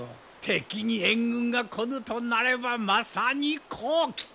敵に援軍が来ぬとなればまさに好機！